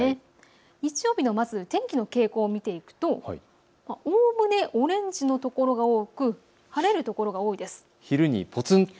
日曜日の天気の傾向を見ていくとおおむねオレンジの所が多く晴れる所が多いです。